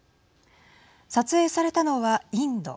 撮影されたのは、インド。